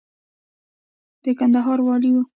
د کندهار والي و.